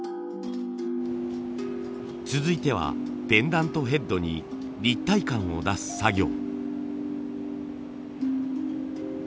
続いてはペンダントヘッドに立体感を出す作業。